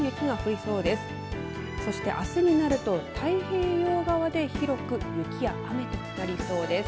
そしてあすになると太平洋側で広く雪や雨となりそうです。